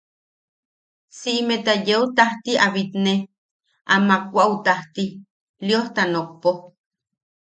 Siʼimeta yeu tajti a bitne a maʼawaʼu tajti, Liosta nokpo.